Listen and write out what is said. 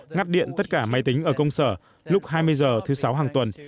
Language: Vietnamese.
ngắt điện tất cả máy tính ở công sở lúc hai mươi h thứ sáu hàng tuần